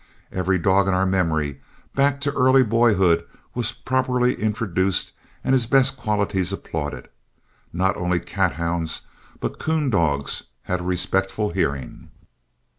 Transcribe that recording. Every dog in our memory, back to early boyhood, was properly introduced and his best qualities applauded. Not only cat hounds but coon dogs had a respectful hearing.